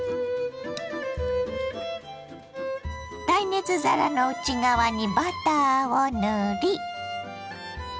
耐熱皿の内側にバターを塗り。